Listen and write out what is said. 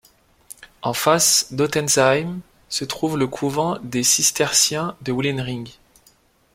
En face d’Ottensheim se trouve le couvent des Cisterciens de Wilhering.